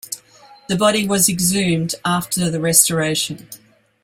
The body was exhumed after the Restoration.